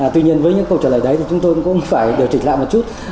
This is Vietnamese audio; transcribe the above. tuy nhiên với những câu trả lời đấy thì chúng tôi cũng phải điều chỉnh lại một chút